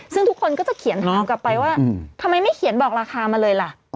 ซึ่งทุกคนก็จะเขียนทองกลับไปว่าทำไมไม่เขียนบอกราคามาเลยล่ะ